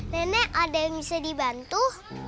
nenek ada yang bisa dibantu